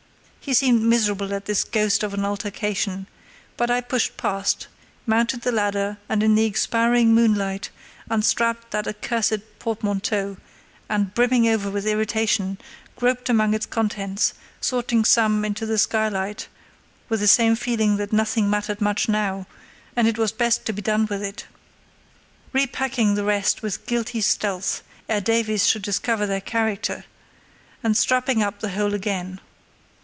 He seemed miserable at this ghost of an altercation, but I pushed past, mounted the ladder, and in the expiring moonlight unstrapped that accursed portmanteau and, brimming over with irritation, groped among its contents, sorting some into the skylight with the same feeling that nothing mattered much now, and it was best to be done with it; repacking the rest with guilty stealth ere Davies should discover their character, and strapping up the whole again.